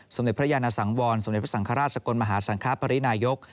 สำหรับพระยานสังวรสำหรับพระสังคราชสกลมหาสังคราภพรินายก